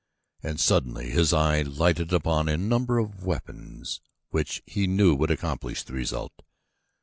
And suddenly his eye lighted upon a number of weapons which he knew would accomplish the result.